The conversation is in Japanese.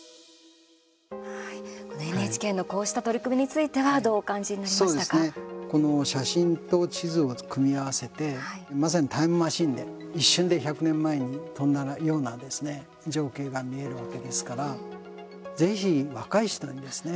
はい、このＮＨＫのこうした取り組みについてはこの写真と地図を組み合わせてまさにタイムマシンで一瞬で１００年前に飛んだような情景が見えるわけですからぜひ若い人にですね